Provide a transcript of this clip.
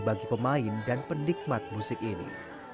bagi pemain dan penikmat musik ini